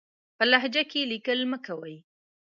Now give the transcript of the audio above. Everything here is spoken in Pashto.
په لهجه کې ليکل مه کوئ!